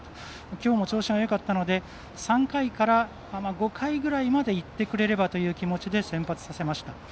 きょうも調子がよかったので３回から５回ぐらいまでいってくれればという気持ちで先発させました。